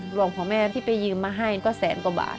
หลวงพ่อแม่ที่ไปยืมมาให้ก็แสนกว่าบาท